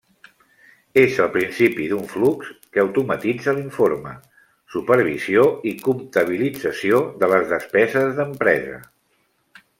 És el principi d'un flux que automatitza l'informe, supervisió i comptabilització de les despeses d'empresa.